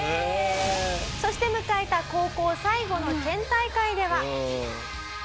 そして迎えた高校最後の県大会では。